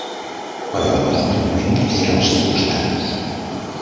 Però en un altre moment era al seu costat.